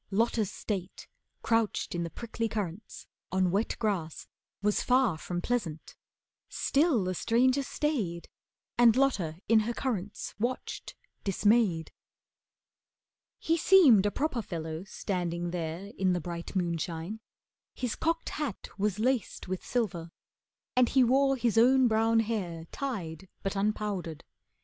Lotta's state, Crouched in the prickly currants, on wet grass, Was far from pleasant. Still the stranger stayed, And Lotta in her currants watched, dismayed. He seemed a proper fellow standing there In the bright moonshine. His cocked hat was laced With silver, and he wore his own brown hair Tied, but unpowdered.